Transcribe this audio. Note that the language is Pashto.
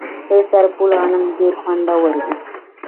د سرپل غنم ډیر خوندور دي.